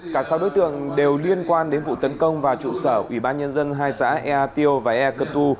cả sáu đối tượng đều liên quan đến vụ tấn công vào trụ sở ủy ban nhân dân hai xã ea tiêu và e cơ tu